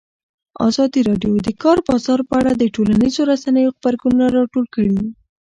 ازادي راډیو د د کار بازار په اړه د ټولنیزو رسنیو غبرګونونه راټول کړي.